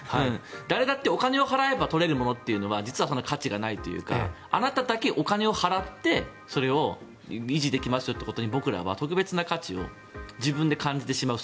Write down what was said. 誰だってお金を払えば取れるものっていうのは実はそんなに価値がないというかあなただけ、お金を払ってそれを維持できますよってことに僕らは特別な価値を自分で感じてしまう。